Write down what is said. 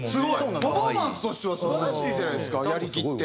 パフォーマンスとしては素晴らしいじゃないですかやりきって。